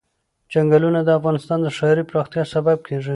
چنګلونه د افغانستان د ښاري پراختیا سبب کېږي.